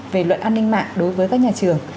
về luật an ninh mạng đối với các nhà trường